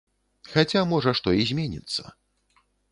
Хаця, можа, што і зменіцца.